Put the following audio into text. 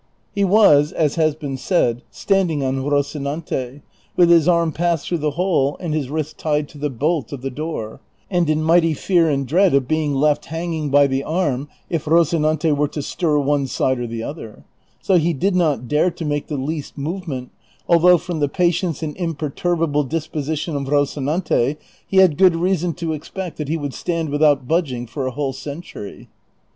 He was, as has been said, standing on Rocinante, with his arm passed through the hole and his wrist tied to the bolt of the door, and in mighty fear and dread of being left hanging by the arm if liocinante were to stir one side or the other ; so he did not dare to make the least movement, although from the patience and imperturbable disposition of Eocinante, he had good reason to expect that he would stand Avithout budging for a whole century.